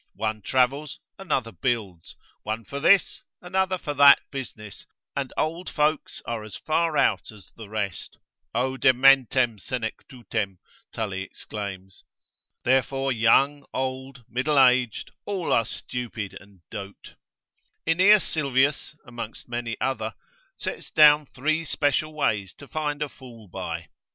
One travels, another builds; one for this, another for that business, and old folks are as far out as the rest; O dementem senectutem, Tully exclaims. Therefore young, old, middle age, are all stupid, and dote. Aeneas Sylvius, amongst many other, sets down three special ways to find a fool by.